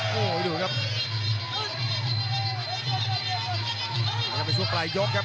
กล้องเชียงดาวน์ไปส่วนปลายยกครับ